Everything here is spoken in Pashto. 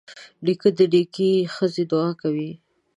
نیکه د نیکې ښځې دعا کوي.